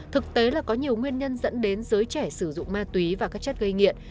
thực tế là có nhiều nguyên nhân dẫn đến giới trẻ sử dụng ma túy và các chất gây nghiện